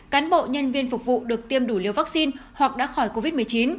cán bộ nhân viên phục vụ được tiêm đủ liều vaccine hoặc đã khỏi covid một mươi chín